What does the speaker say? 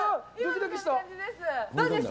どうですか？